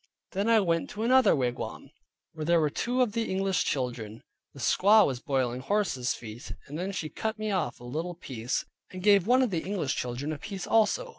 Then I went to another wigwam, where there were two of the English children; the squaw was boiling horses feet; then she cut me off a little piece, and gave one of the English children a piece also.